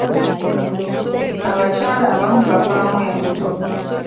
Abakyala abamu bavaamu embuto.